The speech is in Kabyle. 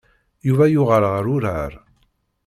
Yuba yuɣal ɣer urar.